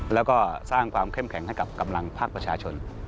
แล้วก็สร้างความเข้มแข็งให้กับกำลังภาคประชาชน